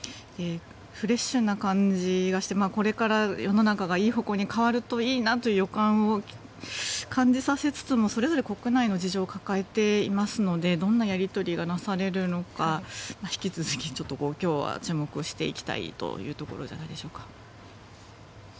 フレッシュな感じがしてこれから、世の中がいい方向に変わるといいなという予感を感じさせつつもそれぞれ国内の事情を抱えていますのでどんなやり取りがなされるのか引き続き、今日は注目していきたいというところじゃないでしょうか。